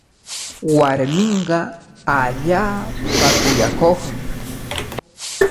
Warminqa allaapa kuyakuqmi.